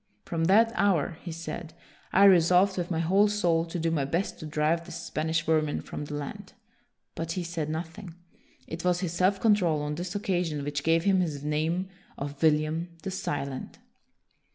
From that hour," he said, " I resolved, with my whole soul, to do my best to drive this Spanish vermin from the land." But he said nothing. It was his self control on this occasion which gave him his name of William the Silent.